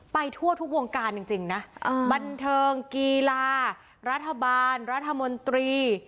ทั่วทุกวงการจริงนะบันเทิงกีฬารัฐบาลรัฐมนตรี